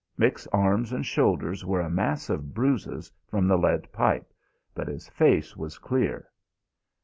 Mick's arms and shoulders were a mass of bruises from the lead pipe, but his face was clear.